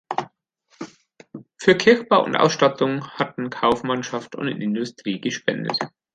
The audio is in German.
Für Kirchbau und Ausstattung hatten Kaufmannschaft und Industrie gespendet.